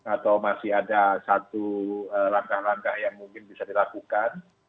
atau masih ada satu langkah langkah yang mungkin bisa dilakukan